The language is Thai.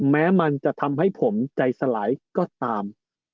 แม้มันจะทำให้ผมใจสลายก็ตาม